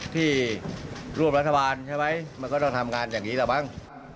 ที่ร่วมรัฐบาลใช่ไหมมันก็ต้องทำงานอย่างนี้แหละมั้ง